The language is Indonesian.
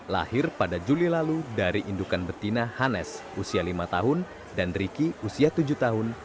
lahir pada juli lalu dari indukan betina hanes usia lima tahun dan riki usia tujuh tahun